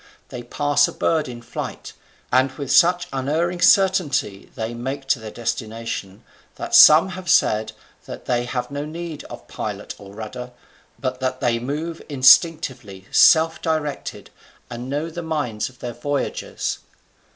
They pass a bird in flight; and with such unerring certainty they make to their destination that some have said that they have no need of pilot or rudder, but that they move instinctively, self directed, and know the minds of their voyagers.